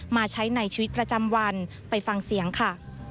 มาใช้ในชีวิตประจำวันไปฟังเสียงค่ะ